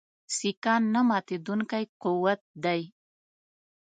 سیکهان نه ماتېدونکی قوت دی.